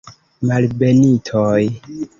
Malbenitoj!